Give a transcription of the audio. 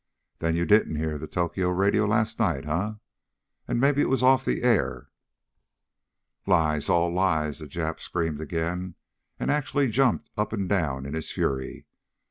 Then you didn't hear the Tokyo radio last night, eh? And maybe it was off the air?" "Lies, all lies!" the Jap screamed again, and actually jumped up and down in his fury.